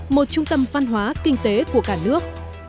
một trung tâm văn hóa kinh tế của cả nước